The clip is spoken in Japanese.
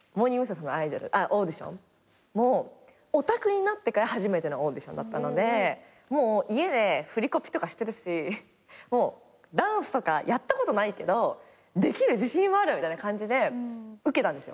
さんのオーディションもオタクになってから初めてのオーディションだったので家で振りコピとかしてるしダンスとかやったことないけどできる自信はあるみたいな感じで受けたんですよ。